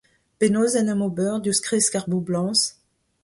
Penaos en em ober diouzh kresk ar boblañs ?